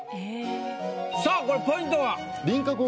さあこれポイントは？